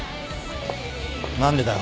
何でだよ？